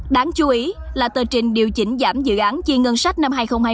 đáng chú ý là tờ trình điều chỉnh giảm dự án chiên ngân sách năm hai nghìn hai mươi